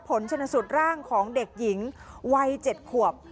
ผลชนสูตรร่างของเด็กหญิงวัย๗ขวบ